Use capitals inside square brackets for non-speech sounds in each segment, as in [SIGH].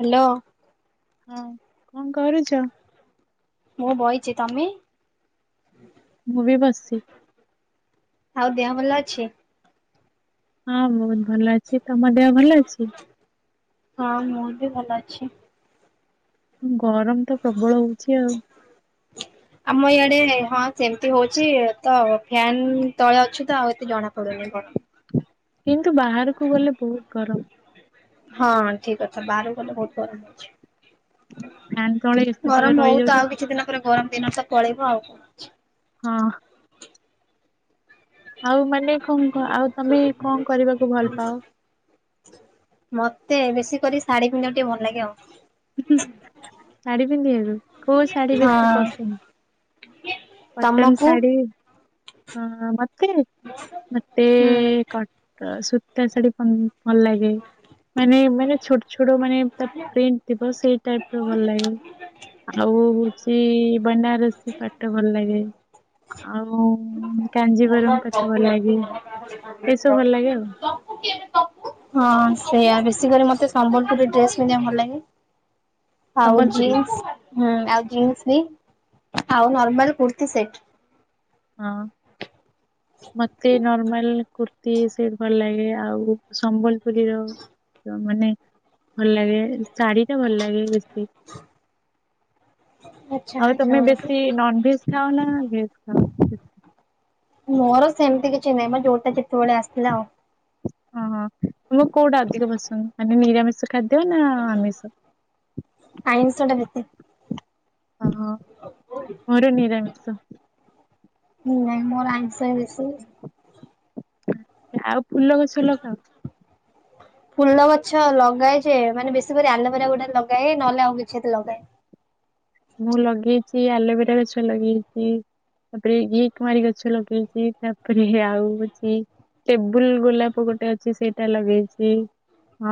Hello. ହଁ କଣ କରୁଛ? ମୁଁ ବଇଚି। ତମେ? ମୁଁ ବି ବସିଚି। ଆଉ ଦେହ ଭଲ ଅଛି? ହଁ ବହୁତ ଭଲ ଅଛି। ତମ ଦେହ ଭଲ ଅଛି? ହଁ ମୋର ବି ଭଲ ଅଛି। ଗରମ ତ ପ୍ରବଳ ହଉଛି ଆଉ। ଆମ ଇଆଡେ ହଁ ସେମତି ହଉଛି, ତ ଫ୍ୟାନ ତଳେ ଅଛୁ ତ ଆଉ ଏତେ ଜଣା ପଡୁନି ଗରମ। କିନ୍ତୁ ବାହାରକୁ ଗଲେ ବହୁତ ଗରମ। ହଁ ଠିକ୍ କଥା, ବାହାରକୁ ଗଲେ ବହୁତ ଗରମ ହଉଛି। ଫ୍ୟାନ ତଳେ ଏସି ତଳେ ଗରମ ହଉ, ତ ରହିଯାଉଛି। ଆଉ କିଛି ଦିନ ପରେ ଗରମ ଦିନ ତ ପଳେଇବ ଆଉ କଣ। ହଁ। ଆଉ ମାନେ କଅଁ କ ଆଉ ତମେ କଅଁ କରିବାକୁ ଭଲ ପାଅ? ମତେ ବେଶୀ କରି ଶାଢ଼ୀ ପିନ୍ଧିବାକୁ ଟିକେ ଭଲ ଲାଗେ ଆଉ। ଉଁ ହୁଁ, ଶାଢୀ ପିନ୍ଧିଆକୁ, କୋଉ ଶାଢୀ ବେଶୀ ହଁ ପସନ୍ଦ? କଟନ୍ ତମକୁ? ଶାଢ଼ୀ, ହଁ ମତେ? ମତେ ହୁଁ। କଟ ସୂତା ଶାଢୀ ପନ୍ ଭଲ ଲାଗେ, ମାନେ ମାନେ ଛୋଟ ଛୋଟ ମାନେ ତା ପ୍ରିଣ୍ଟ ଥିବ ସେଇ ଟାଇପର ଭଲ ଲାଗେ। ଆଉ ହଉଛି ବନାରସୀ ପାଟ ଟ ଭଲ ଲାଗେ। ଆଉ ମୁଁ କାଞ୍ଜିବରମ ପାଟ ଭଲ ତ ଲାଗେ ତପୁ କିଏ ଯେ ଏସବୁ ଭଲ ଲାଗେ ହଁ ଆଉ ସେଇଆ। ବେଶୀ କରି ମତେ ସମ୍ବଲପୁରୀ ଡ୍ରେସ ପିନ୍ଧିବା ପାଇଁ ଭଲ ଲାଗେ। ଆଉ ସମ୍ବଲପୁରୀ ଜିନ୍ସ ହଁ, ଆଉ ଜିନ୍ସ ବି ଆଉ ନର୍ମାଲ କୁର୍ତ୍ତି ସେଟ। ହଁ, ମତେ ନର୍ମାଲ କୁର୍ତ୍ତୀ ସେଟ୍ ଭଲ ଲାଗେ, ଆଉ ସମ୍ବଲପୁରୀର ତ ମାନେ ଭଲ ଲାଗେ, ଶାଢୀଟା ଭଲ ଲାଗେ ବେଶୀ। ଆଚ୍ଛା ଆଉ ତମେ ଆଚ୍ଛା ବେଶୀ ନନଭେଜ୍ ଖାଅନା ନା ଭେଜ୍ ଖାଅ? ମୋର ସେମତି କିଛି ନାହିଁ, ମୋ ଯୋଉଟା ଯେତେବେଳେ ଆସିିଲା ଆଉ। ଅଁ ହଁ। ତମକୁ କୋଉଟା ଅଧିକ ପସନ୍ଦ, ମାନେ ନିରାମିଷ ଖାଦ୍ୟ ନା ଆମିଷ? ଆଇଁଷଟା ବେଶୀ। ଅହୋ, ମୋର ନିରାମିଷ। ହୁଁ ନାଇଁ ମୋର ଆଇଁଷ ବେଶୀ ଆଉ ଫୁଲ ଗଛ ଲଗାଅ? ଫୁଲ ଗଛ ଲଗାଏ ଯେ, ମାନେ ବେଶୀ କରି ଆଲୋଭେରା ଗୁଡ଼ା ଲଗାଏ ନହେଲେ ଆଉ କିଛି ଏତେ ଲଗାଏନି। ମୁଁ ଲଗେଇଚି, ଆଲୋଭେରା ଗଛ ଲଗେଇଚି ତାପରେ ଘିକୁଆଁରୀ ଗଛ ଲଗେଇଚି, ତାପରେ ଆଉ ହଉଛି ଟେବୁଲ ଗୋଲାପ ଗୋଟେ ଅଛି ସେଇଟା ଲଗେଇଛି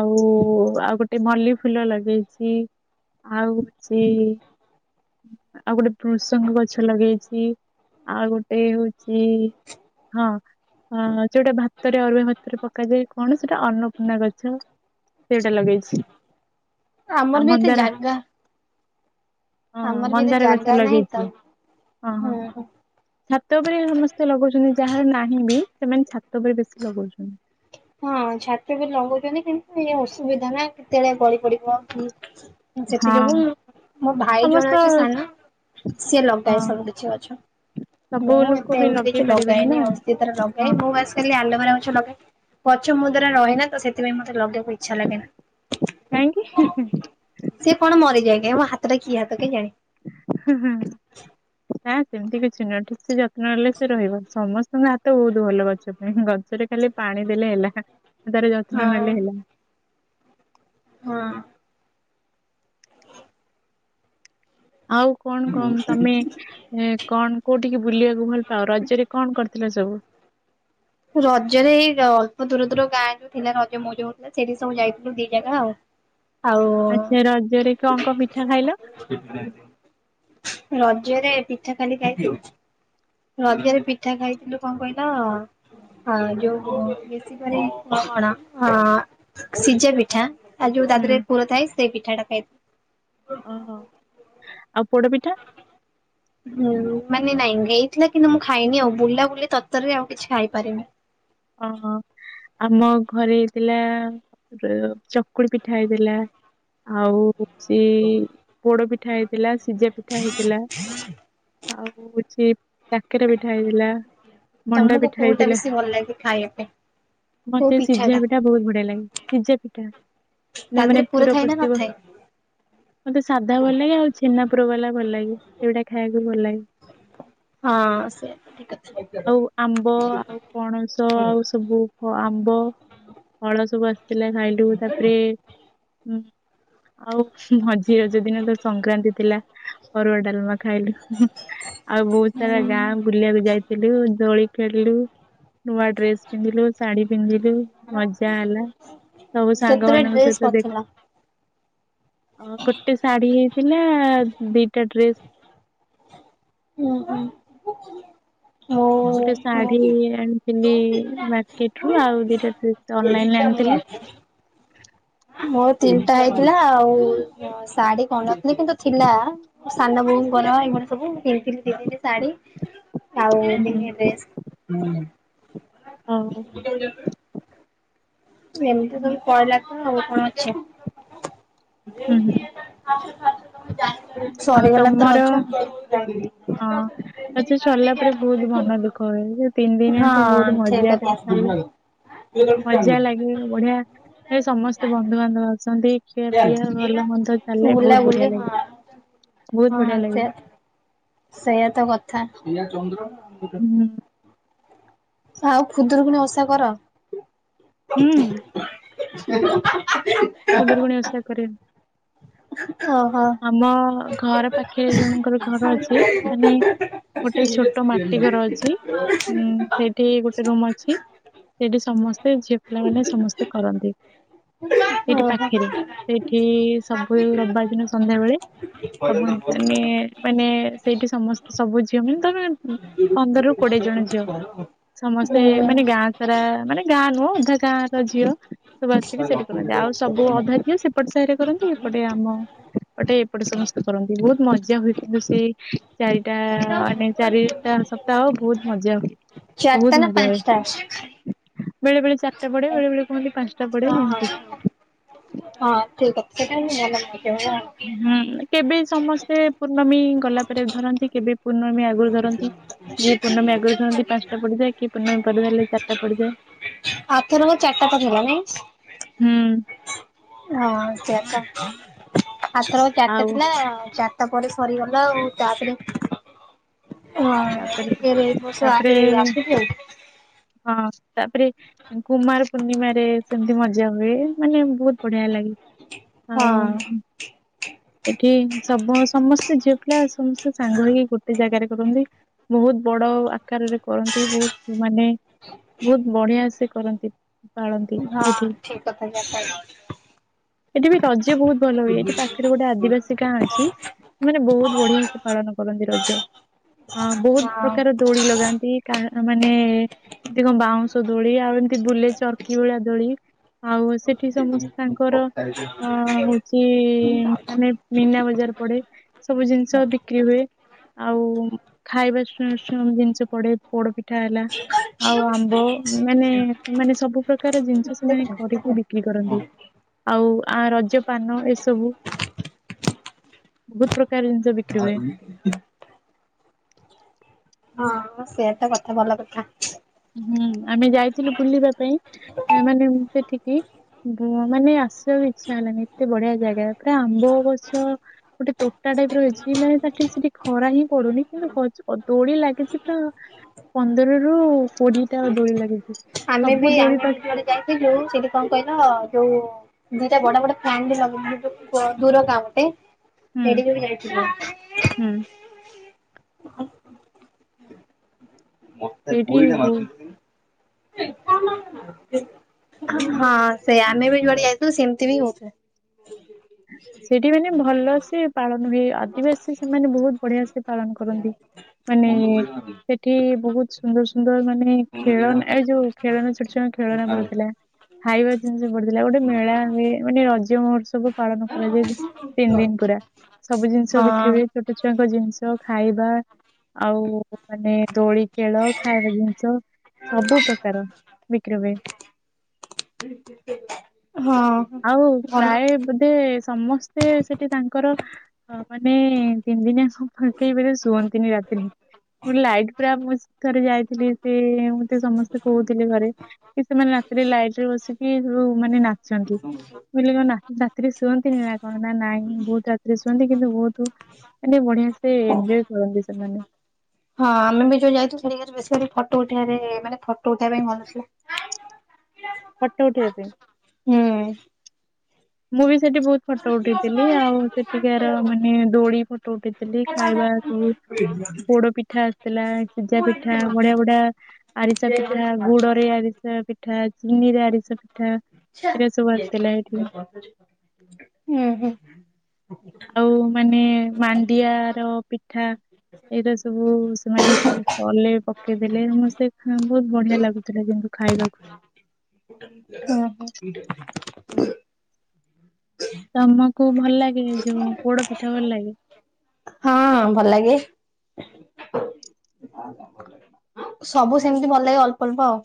ଆଉ ଆଉ ଗୋଟେ ମଲ୍ଲି ଫୁଲ ଲଗେଇଚି, ଆଉ ହଉଚି ଆଉ ଗୋଟେ ଭୃସଙ୍ଗ ଗଛ ଲଗେଇଚି, ଆଉ ଗୋଟେ ହଉ ସେ ହଁ, ହଁ ଯୋଉଟା ଭା ତରେ ଅରୁଆ ଭାତରେ ପକାଯାଏ, କଅଣ ସେଇଟା ଅନ୍ନପୂର୍ଣ୍ଣା ଗଛ, ସେଇଟା ଲଗେଇଛି। ଆଉ ଆମର ବି ଏତେ ମନ୍ଦାର ଜାଗା ହଁ ଆମର ବି ଏତେ ମନ୍ଦାର ଗଛ ଜାଗା ନାହିଁ ତ ଲଗେଇଛି, ହଁ ହଁ। ହୁଁ ହୁଁ। ଛାତ ଉପରେ ସମସ୍ତେ ଲଗଉଚନ୍ତି, ଯାହାର ନାହିଁ ବି ସେମାନେ ଛାତ ଉପରେ ବେଶୀ ଲଗଉଚନ୍ତି। ହଁ ଛାତ ଉପରେ ଲଗଉଛନ୍ତି କିନ୍ତୁ ଏ ଅସୁବିଧା ନା କେତେବେଳେ ଗଳି ପଡିବ, କି ସେଥି ଯୋଗୁ ହଁ ମୋ ଭାଇ ସମସ୍ତ ଜଣେ ଅଛି ସାନ ସିଏ ଲଗାଏ ହଁ ସବୁ କିଛି ଗଛ। ସବୁ ମୁଁ ଲୋକ ଏତେ ବି ଏମତି ଲଗେଇ କିଛି ପାରିବେନି ନା ଲଗାଏନି ଆଉ। ସିଏ ତାର ଲଗାଏ, ହଁ ମୁଁ ବାସ୍ ଆଲୋବେରା ଗଛ ଲଗାଏ ଗଛ ମୋଦ୍ଵାରା ରହେନା ତ ସେଥିପାଇଁ ମତେ ଲଗେଇବା ଇ ଛା ଲାଗେନି କାହିଁକି ସେ କଣ ମରିଯାଏ ମୋ ହାତଟା କି ହାତ କେଜାଣି? ହୁଁ ହୁଁ। ନା ସେମିତି କିଛି ନୁହଁ ଠିକ୍ ସେ ଯତ୍ନ ନେଲେ ସେ ରହିବ ସମସ୍ତଙ୍କ ହାତ ବହୁତ ଭଲ ଗଛ। ଗଛରେ ଖାଲି ପାଣି ଦେଲେ ହେଲା ତାର ହଁ ଯତ୍ନ ନେଲେ ହେଲା। ହଁ। ଆଉ କଣ କଣ ତମେ ଏ କଣ କୋଉଠିକି ବୁଲିବାକୁ ଭଲ ପାଅ ରଜରେ କଣ କରିଥିଲ ସବୁ? ରଜରେ ଏଇ ଅଳ୍ପ ଦୂର ଦୂର ଗାଁରୁ ଯୋଉ ଥିଲା ରଜ ମଉଜ ସେଠି ସବୁ ଯାଇଥିଲୁ ଦି ଜାଗା ଆଉ। ଆଉ ଆଚ୍ଛା! ରଜରେ କଣ କଣ ପିଠା ଖାଇଲ? ରଜରେ ପିଠା ଖାଲି ଖାଇଥିଲ। ରଜରେ ପିଠା ଖାଇଥିଲୁ, କଣ କହିଲ ହଁ ଯୋଉ ଆ ବେଶି କରି କଣ ସିଝା ପିଠା ଆଉ ଯୋଉ ହୁଁ ତାଥିରେ ପୁର ଥାଏ ସେ ପିଠା ଟା ଖାଇଥାଏ। ଓହୋ ଆଉ ପୋଡ ପିଠା? ହୁଁ ମାନେ ନାଇଁ ହେଇଥିଲା କିନ୍ତୁ ମୁଁ ଖାଇନି ଆଉ ବୁଲାବୁଲି ତରତରରେ ଆଉ କିଛି ଖାଇପାରିନି। ଓହୋ। ଆମ ଘରେ ହେଇଥିଲା ଚକୁଳି ପିଠା ହେଇଥିଲା। ଆଉ ସେଇ ପୋଡ ପିଠା ହେଇଥିଲା ସିଝା ପିଠା ହେଇଥିଲା। ଆଉ ହଉଛି କାକେରା ପିଠା ହେଇଥିଲା। ମଣ୍ଡା ତମକୁ ପିଠା କୋଉଟା ହେଇଥିଲା ବେଶୀ ଭଲ ଲାଗେ ଖାଇବା ପାଇଁ? କୋଉ ମତେ ସିଝା ଟା ପିଠା ବହୁତ ବଢିଆ ଲାଗେ, ସିଝା ପିଠା ତା ନ ଦେହରେ ମାନେ ପୁର ଥାଏ ନା ପଷିଥିବ। ନଥାଏ? ମତେ ସାଧା ଭଲ ଲାଗେ, ଆଉ ଛେନା ପୁର ବାଲା ଭଲ ଲାଗେ, ସେଇଗୁଡା ଖାଇବାକୁ ଭଲ ଲାଗେ। ହଁ ସେ ଠିକ କଥା। ଆଉ ଆମ୍ବ ଆଉ ପଣସ ଆମ୍ୱ ଆଉ ସବୁ ଆମ୍ବ ଫଳ ସବୁ ଆସିଥିଲା, ଖାଇଲୁ ତାପରେ ଇଏ ହୁଁ। ଆଉ ମଝିରେ ଯୋଉ ରଜ ଦିନ ତ ସଂକ୍ରାନ୍ତି ଥିଲା, ଅରୁଆ ଡାଲମା ଖାଇଲୁ। ଆଉ ବହୁତ ସାରା ହୁଁ ଗାଁ ବୁଲିବାକୁ ଯାଇଥିଲୁ, ଦୋଳି ଖେଳିଲୁ। ନୂଆ ଡ୍ରେସ ପିନ୍ଧିଲୁ, ଶାଢୀ ପିନ୍ଧିଲୁ। ମଜା ହେଲା ସବୁ ସାଙ୍ଗ କେତେଟା ମାନଙ୍କ ଡ୍ରେସ ସହିତ କରିଥିଲ? ଦେଖା ଅ ଗୋଟେ ଶାଢୀ ହେଇଥିଲା ଦିଟା ଡ୍ରେସ୍ ହୁଁ ହୁଁ। ଗୋଟେ ମୁଁ ଶାଢୀ ଆଣିଥିଲି ମାର୍କେଟ ରୁ ଆଉ ଦିଟା ଡ୍ରେସ ଅନଲାଇନ ଆଣିଥିଲି। ମୋ ତିନିଟା ହେଇଥିଲା। ଆଉ ଶାଢୀ କରି ନଥିଲି କିନ୍ତୁ ଥିଲା। ସାନ ବୋଉ ଙ୍କର ଏମିତି ସବୁ ମୁ କିଣିଥିଲି ଦେଇଥିଲି ଶାଢୀ। ଆଉ ହୁଁ ହୁଁ ଦିନେ ଡ୍ରେସ୍। ହଉ ଏମିତି ତମେ ପାଇଲା କୁ ତୁମେ କଣ ଅଛ। ହୁଁ ହୁଁ ଆଉ ସରିଗଲା ତ ତମର ରଜ। ହଁ ଆଉ ସେ ସରିଲା ପରେ ବହୁତ ମନ ଦୁଃଖ ହବ, ସେ ତିନି ଯାଙ୍କ ହଁ ବହୁତ ମଜା ଠିକ କଥା ଚାଲେ ମଜା ଲାଗେ ବଢିଆ ଏ ସମସ୍ତେ ବନ୍ଧୁବାନ୍ଧବ ଅଛନ୍ତି। ପିଆ ଭଲ ମନ୍ଦ ଚାଲିଲେ ବହୁତ ବୁଲାବୁଲି ବଢିଆ ଲାଗେ ଲ, ହଁ। ବହୁତ ହଁ ବଢିଆ ସେ ଲାଗେ। ସେଇଆ ତ କଥା। ହୁଁ ଆଉ ଖୁଦରୁକୁଣି ଓଷା କର? ହୁଁ। ଖୁଦୁରୁକୁଣୀ ଓଷା କରେ। ହଁ ହଁ। ଆମ ଘର ପାଖେରେ ଜଣଙ୍କର ଘର ଅଛି ମାନେ ଗୋଟେ ଛୋଟ ମାଟି ଘର ଅଛି ଉଁ ସେଇଠି ଗୋଟେ ରୁମ ଅଛି। ସେଠି ସମସ୍ତେ ଝିଅ ପିଲାମାନେ ସମସ୍ତେ କରନ୍ତି ଏଇଠି ଓହୋ ପାଖରେ। ସେଇଠି ସବୁ ରବିବାର ଦିନ ସନ୍ଧ୍ୟାବେଳେ ସବୁ ମାନେ ମାନେ ସେଇଠି ସମସେ ସବୁ ଝି ଝିଅ ମାନେ ତମେ ପନ୍ଦରରୁୁ କୋଡିଏ ଜଣ ଝିଅ ସମସ୍ତେ ହୁଁ। ମାନେ ଗାଁ ସାରା ମାନେ ଗାଁ ନୁହଁ ଅଧା ଗାଁ ର ଝିଅ ସବୁ ଆସିକି ସେଠି କରୁନ୍ତି ଆଉ ସବୁ ଅଧା ଝିଅ ସେ ପଟେ ସାହିରେ କରନ୍ତି ଏପଟେ ଆମ ଏପଟେ ଏପଟେ ସମସ୍ତେ କରନ୍ତି ବହୁତ ମଜା ହୁଏ କିନ୍ତୁ ସେ ଚାରିଟା ମାନେ ଚାରିଟା ସପ୍ତାହ ବହୁତ ମଜା ହୁଏ। ଚାରିଟା ବହୁତ ନା ମଜା ହୁଏ ପାଂଶଟା। ବେଳେ ବଳେ ଚାରିଟା ପଡେ ବେଳେ ବେଳେ କୁହନ୍ତି ପାଁଶଟା ପଡେ ହଁ ଏମତି। ହଁ ଠିକ କଥା ହୁଁ କେବେ ସମସ୍ତେ ପୂର୍ଣ୍ଣମୀ ଗଲା ପରେ ଧରନ୍ତି କେବେ ପୂର୍ଣ୍ଣମୀ ଆ ଗରୁ ଧରନ୍ତି ଯିଏ ପୂର୍ଣ୍ଣମୀ ଆଗରୁ ଧରନ୍ତି ପାଞ୍ଚଟା ପଡିଯାଏ କି ପୂର୍ଣ୍ଣମୀ ପରେ ଧରଲେ ଚାରିଟା ପଡିଯାଏ। ଆଥରକ ଚାରିଟା ତ ଥିଲା ନାଇ। ହୁଁ। ହଁ ଚରିଟା ଆଥରକ ଚାରିଟା ଆଉ ଥିଲା ଚା ତରିଟା ପରେ ସରିଗଲା ଆଉ ତାପରେ ହଁ ତାପରେ ଫେରେ ଏଇ ବର୍ଷ ତାପରେ ଏ ଆସୁଛି ଆଉ। ହଁ ତାପରେ କୁମାର ପୂର୍ଣ୍ଣିମାରେ ସେମିତି ମଜା ହୁଏ ମାନେ ବହୁତ ବଢିଆ ଲାଗେ। ଆଉ ଉ ହଁ। ଏଠି ସବୁ ସମସ୍ତେ ଝିଅ ପିଲା ସମସ୍ତେ ସାଙ୍ଗ ହେଇକି ଗୋଟେ ଜାଗାରେ କରନ୍ତି। ବହୁତ ବଡ ଆକାରରେ କରନ୍ତି ବହୁତ ମାନେ ବହୁତ ବଢିଆ ସେ କରନ୍ତି। ପାଳନ୍ତି ହଁ ଏଠି ଠିକ କଥା ଯା କଇଲ। ଏଠି ବି ରଜ ବହୁତ ଭଲ ହୁଏ ଏଠି ପାଖରେ ଗୋଟେ ଆଦିବାସୀ ଗାଁ ଅଛି ସେ ମାନେ ବହୁତ ବଢିଆ ସେ ପାଳନ କରନ୍ତି ରଜ। ହଁ ବହୁତ ପ୍ରକାର ଦୋଳି ଲଗାନ୍ତି କାହା ମାନେ ଏମିତି କଣ ବାଉଁଶ ଦୋଳି ଆଉ ଏମତି ବୁଲେ ଚର୍କି ଭଳିଆ ଦୋଳି ଆଉ ସେ ଏଠି ସମସ୍ତ ତାଙ୍କର ଅ ହଉଚି ମାନେ ମୀନା ବଜାର ପଡେ ସବୁ ଜିନିଷ ବିକ୍ରି ହୁଏ ଆଉ ଖାଇବା ଶୁ ସୁଁ ଜିନିଷ ପଡେ ପୋଡପିଠା ହେଲା ଆଉ ଆମ୍ବ। ମାନେ ମାନେ ସବୁ ପ୍ରକାର ଜିନିଷ ସେମାନେ କରିକି ବିକି ବି କରନ୍ତି ଆଉ ଆ ରଜ ପାନ ଏସବୁ ବହୁତ ପ୍ରକାର ଜିନିଷ ବିକ୍ରି ହୁଏ। ହଁ ସେୟା ତ କଥା ଭଲ କଥା। ହୁଁ ଆମେ ଯାଇଥିଲୁ ବୁଲିବା ପାଇଁ ମାନେ ସେଠିକି ବ ମାନେ ଆସିବା ବି ଇଚ୍ଛା ହେଲାନି ଏତେ ବଢିଆ ଜାଗା ପୁରା ଆମ୍ବ ଗଛ। ଗୋଟେ ତୋଟା ଟାଇପ ର ହେଇଛି ମାନେ ତା ସେଠି ସେଠି ଖରା ହିଁ ପଡୁନି କିନ୍ତୁ ହ ଦୋଳି ଲାଗିଛି ପୁରା ପନ୍ଦରରୁୁ କୋଡିଏ ଟା ଦୋଳି ଲାଗି ଆମେ ବି ଆମେ ବି ଯୁଆଡେ ଯାଇଥିଲୁ ଯୋଉ ସେଠି କଣ କହିଲ ଯୋଉ ଦିଟା ବଡ ବଡ ଫ୍ୟାନ [UNINTELLIGIBLE] ଦୂର ଗାଁ ଗୋଟେ। ହୁଁ ସେଠିକି ବି ଯାଇଥିଲୁ। ହୁଁ। ମତେ ସେଇଠି ଗୋଇଠା ବହୁ ମାରୁଚନ୍ତି। ହଁ ସେ ଆମେ ବି ଯୁଆଡ଼େ ଯାଇଥିଲୁ ସେମିତି ବି ହଉଥିଲା। ସେଇଠି ମାନେ ଭଲ ସେ ପାଳନ ହୁଏ ଆଦିବାସୀ ସେମାନେ ବହୁତ ବଢିଆ ସେ ପାଳନ କରନ୍ତି। [UNINTELLIGIBLE] ଏଠି ବହୁତ ସୁନ୍ଦର ସୁନ୍ଦର ମାନେ ଖେଳନା ଏଇ ଯୋଉ ଖେଳନା ଛୋଟ ଛୁଆଙ୍କ ଖେଳନା ପଡିଥିଲା। ଖାଇବା ଜିନିଷ ପଡିଥିଲା ଗୋଟେ ମେଳା ହୁଏ ମାନେ ରଜ ମହୋତ୍ସବ ପାଳନ କରାଯାଏ ବି ତିନି ଦିନ ପୁରା ସବୁ ଜିନିଷ ବିକ୍ରି ହଁ ହୁଏ ଛୋଟ ଛୁଆଙ୍କ ଜିନିଷ ଖାଇବା ଆଉ ଉ ମାନେ ଦୋଳି ଖେଳ ଖାଇବା ଜିନିଷ। ସବୁ ପ୍ରକାର ବିକ୍ରୀ ହୁଏ। [INAUDIBLE] ହଁ ଆଉ ଭଲ। ପ୍ରାୟ ବୋଧେ ସମସ୍ତେ ସେଠି ତାଙ୍କର। ହଁ ମାନେ ତିନି ଦିନିଆ ସବୁ ପକେଇ ମାନେ ଶୁଅନ୍ତିନି ରାତିରେ। ଲାଇଟ ପୁରା ମୁଁ ଥରେ ଯାଇଥିଲି ସେ ମତେ ସମସ୍ତେ କହୁଥିଲେ ଘରେ। କି ସେମାନେ ରାତିରେ ଲାଇଟ ରେ ବସିକି ରୁ ମାନେ ନାଚନ୍ତି ମୁଁ କହିଲୀ କଣ ନା ରାତିରେ ଶୁଅ ନ୍ତିନି ନା କଣ ନା ନାଇଁ ବହୁତ ରାତିରେ ଶୁଅନ୍ତି କିନ୍ତୁ ବହୁତୁ। ମାନେ ବଢିଆ ସେ ଏଞ୍ଜୋୟ କରନ୍ତି ସେମାନେ। ହଁ ଆମେ ବି ଯୋଉ ଯାଇଥିଲୁ ସେଠି ଖାଲି ବେଶୀ [UNINTELLIGIBLE] ଫଟୋ ଉଠେଇବାରେ ମାନେ ଫଟୋ ଉଠେଇବା ପାଇଁ ଭଲଥିଲା। ଫଟ ଉଠେଇବା ପାଇଁ। ହୁଁ। ମୁଁ ବି ସେଠି ବହୁତ ଫଟୋ ଉଠେଇଥିଲି ଆଉ ସେଠିକାର ମାନେ ଦୋଳି ଫଟୋ ଉଠେଇଥିଲି ଖାଇବା। ଉଁ ପୋଡ ପିଠା ଆସିଥିଲା ସିଝା ପିଠା ବଢିଆ ବଢିଆ। ଆରିସା ପିଠା ଗୁଡରେ ଆରିସା ପିଠା। ଚିନିରେ ଆରିସା ପିଠା ଏଇରା ସବୁ ଆସିଥିଲା ଏଇଠି। ହୁଁ ହୁଁ। ଆଉ ମାନେ ମାଣ୍ଡିଆର ପିଠା। ଏଇଟା ସବୁ ସେମାନେ ସବୁ କଲେ ପକେଇଦେଲେ ସମସ୍ତେ [UNINTELLIGIBLE] ବଢିଆ ଲାଗୁଥିଲା କିନ୍ତୁ। ଖାଇବାକୁ। ଉଁ ହୁଁ। ତମକୁ ଭଲ ଲାଗେ ଏ ଯୋଉ ପୋଡ ପିଠା ଭଲ ଲାଗେ? ହଁ ଭଲ ଲାଗେ। ସବୁ ସେମିତି ଭଲ ଲାଗେ ଅଳ୍ପ ଅଳ୍ପ ଆଉ।